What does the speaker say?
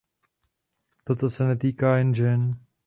Toto se netýká jen žen.